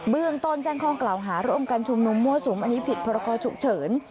เรื่องต้นแจ้งข้อกล่าวหาร่วมกันชุมนุมมั่วสุมอันนี้ผิดพรกรฉุกเฉิน